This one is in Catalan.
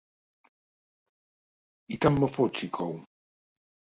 I tant me fot si cou.